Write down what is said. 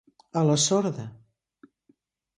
A la sorda.